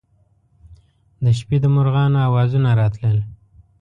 د شپې د مرغانو اوازونه راتلل.